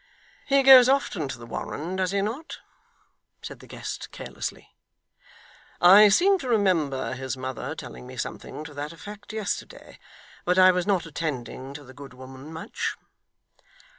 'He goes often to the Warren, does he not?' said the guest carelessly. 'I seem to remember his mother telling me something to that effect yesterday. But I was not attending to the good woman much.